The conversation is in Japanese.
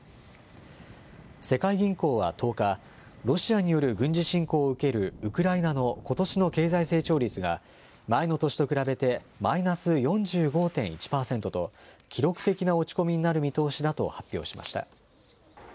世界銀行は１０日、ロシアによる軍事侵攻を受けるウクライナのことしの経済成長率が前の年と比べてマイナス４５．１％と記録的な落ち込みになる見通しだと発表しました。